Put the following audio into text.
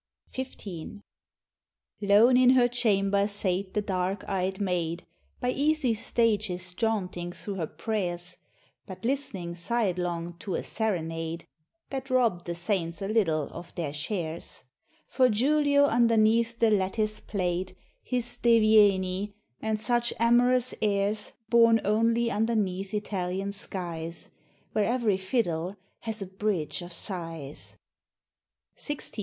XV. Lone in her chamber sate the dark ey'd maid, By easy stages jaunting thro' her pray'rs, But list'ning side long to a serenade, That robb'd the saints a little of their shares; For Julio underneath the lattice play'd His Deh Vieni, and such amorous airs, Born only underneath Italian skies, Where every fiddle has a Bridge of Sighs. XVI.